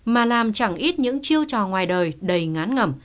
mà làm chẳng ít những chiêu trò ngoài đời đầy ngán ngẩm